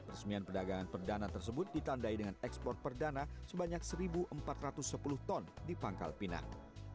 resmian perdagangan perdana tersebut ditandai dengan ekspor perdana sebanyak satu empat ratus sepuluh ton di pangkal pinang